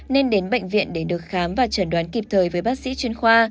nên đến bệnh viện để được khám và chẩn đoán kịp thời với bác sĩ chuyên khoa